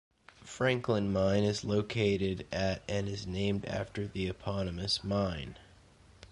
Franklin Mine is located at and is named after the eponymous mine.